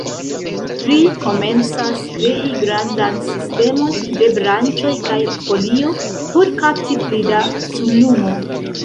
Ri komencas krei grandan sistemon de branĉoj kaj folio, por kapti pli da sunlumo.